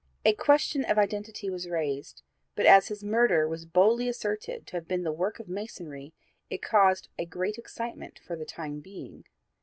A question of identity was raised, but as his murder was boldly asserted to have been the work of Masonry, it caused a great excitement for the time being.